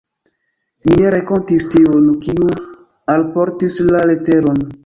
Mi ne renkontis tiun, kiu alportis la leteron.